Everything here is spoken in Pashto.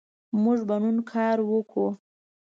موږ به نن کار وکړو